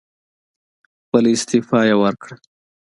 خپله استعفی یې ورکړه.